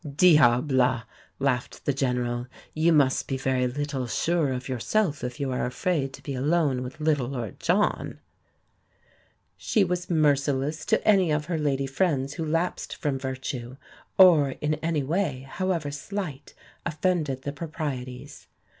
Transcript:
"Diable!" laughed the General, "you must be very little sure of yourself if you are afraid to be alone with little Lord John!" She was merciless to any of her lady friends who lapsed from virtue, or in any way, however slight, offended the proprieties.